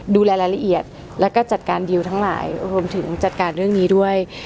ดูแลรายละเอียดแล้วก็จัดการดีลทั้งหลายรวมถึงจัดการเรื่องนี้ด้วย